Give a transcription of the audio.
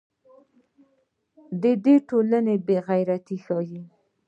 دا د ټولنې بې عزتي ښيي.